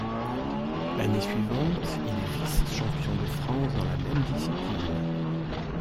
L'année suivante, il est vice-champion de France dans la même discipline.